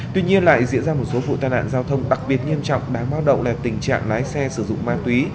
tuy nhiên lại diễn ra một số vụ tai nạn giao thông đặc biệt nghiêm trọng đáng bao động là tình trạng lái xe sử dụng ma túy